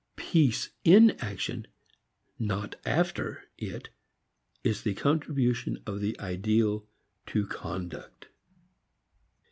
Peace in action not after it is the contribution of the ideal to conduct.